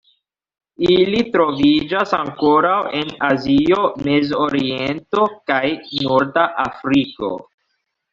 Ili troviĝas ankoraŭ en Azio, Mezoriento kaj Norda Afriko.